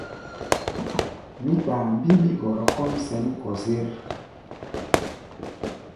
Mí kpaá mbimbí gɔrɔ kɔ́ʼm sɛ̌n kɔ-zér.